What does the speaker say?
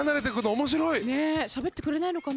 しゃべってくれないのかな？